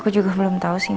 aku juga belum tau sih mas